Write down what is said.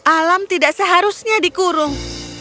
alam tidak seharusnya dikurung